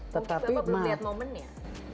fokus ke apa belum lihat momennya